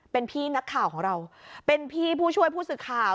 เป็นพี่นักข่าวของเราเป็นพี่ผู้ช่วยผู้สื่อข่าว